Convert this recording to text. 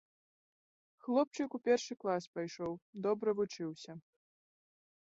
Хлопчык у першы клас пайшоў, добра вучыўся.